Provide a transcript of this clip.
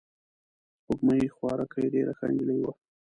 سپوږمۍ خوارکۍ ډېره ښه نجلۍ وه.